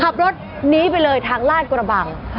ขับรถหนีไปเลยทางลาดกระบัง